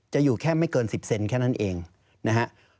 อยู่แค่ไม่เกิน๑๐เซนแค่นั้นเองนะฮะ